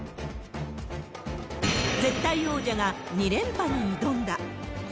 絶対王者が２連覇に挑んだ。